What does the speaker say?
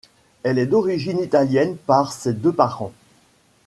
Elle est d'origine italienne par ses deux parents.